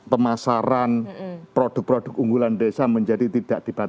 pemasaran produk produk unggulan desa menjadi tidak dibatasi